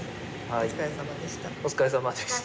お疲れ様でした。